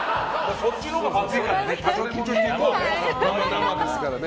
そっちのほうがまずいからね。